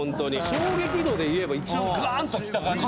衝撃度でいえば一番がーんときた感じ。